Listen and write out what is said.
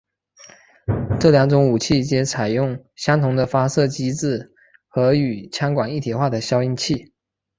这两种武器皆采用相同的发射机制和与枪管一体化的消音器。